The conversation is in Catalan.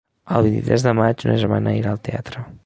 El vint-i-tres de maig ma germana irà al teatre.